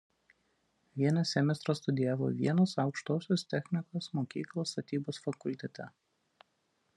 Vieną semestrą studijavo Vienos Aukštosios technikos mokyklos Statybos fakultete.